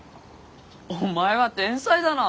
お前は天才だな！